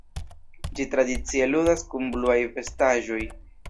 Ĝi tradicie ludas kun bluaj vestaĵoj.